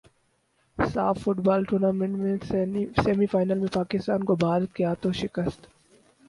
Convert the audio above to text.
ساف football tournament semi final میں پاکستان کو بھارت کے ہاتھوں شکست